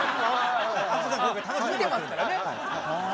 見てますからね。